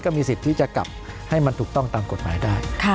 ก็มีสิทธิ์ที่จะกลับมาตรงกลางกฎหมายได้